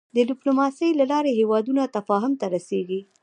د د ډيپلوماسی له لارې هېوادونه تفاهم ته رسېږي.